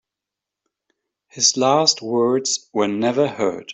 His last words were never heard.